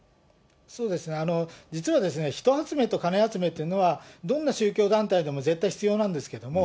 そうです、実はですね、人集めと金集めっていうのは、どんな宗教団体でも絶対必要なんですけども。